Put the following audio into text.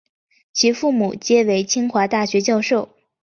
其父母皆为清华大学教授。